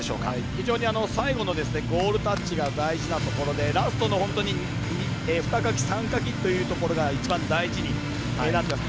非常に最後のゴールタッチが大事なところでラストの２かき３かきというところが一番大事になってきます。